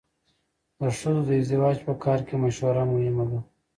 د ښځو د ازدواج په کار کې مشوره مهمه ده.